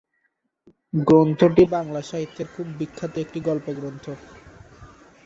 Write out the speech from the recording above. গ্রন্থটি বাংলা সাহিত্যের খুব বিখ্যাত একটি গল্পগ্রন্থ।